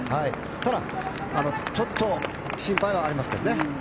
ただ、ちょっと心配はありますけどね。